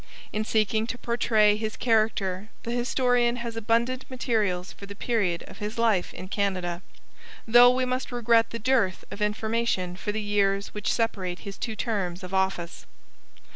In seeking to portray his character the historian has abundant materials for the period of his life in Canada, though we must regret the dearth of information for the years which separate his two terms of office.